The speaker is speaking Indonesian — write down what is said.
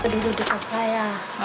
dia duduk di depan saya